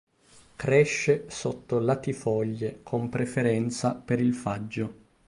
Cresce sotto latifoglie, con preferenza per il faggio.